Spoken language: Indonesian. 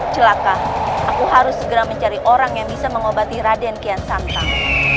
celaka aku harus segera mencari orang yang bisa mengobati raden kian santang